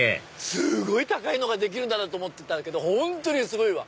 すごい高いのができるんだなと思ってたんだけど本当にすごいわ。